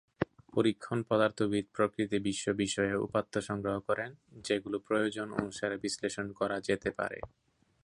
পরীক্ষণ পদার্থবিদ প্রকৃতি-বিশ্ব বিষয়ে উপাত্ত সংগ্রহ করেন, যেগুলো প্রয়োজন অনুসারে বিশ্লেষণ করা যেতে পারে।